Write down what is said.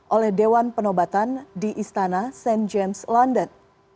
oleh dewan penobatan di istana st james london